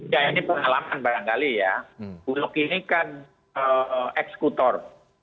ya ini pengalaman barangkali ya bulog ini kan eksekutor